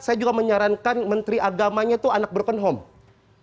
saya juga menyarankan menteri agamanya itu anak broken home